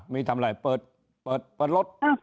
มีทำอะไรเปิดรถ